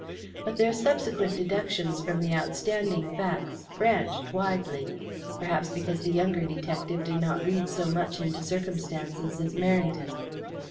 But their subsequent deductions from the outstanding facts branched widely, perhaps because the younger detective did not read so much into circumstances as Merrington.